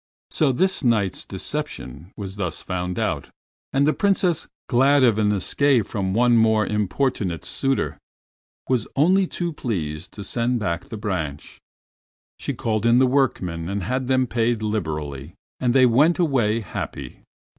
So this Knight's deception was thus found out, and the Princess, glad of an escape from one more importunate suitor, was only too pleased to send back the branch. She called in the workmen and had them paid liberally, and they went away happy.